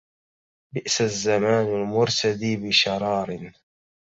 بئس الزمان المرتدي بشرار